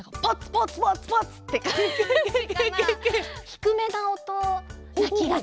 ひくめなおとなきがする！